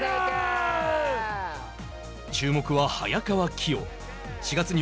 注目は早川起生。